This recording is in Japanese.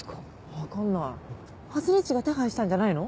分かんない。はつねっちが手配したんじゃないの？